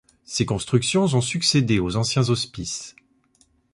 Ces constructions ont succédé aux anciens hospices.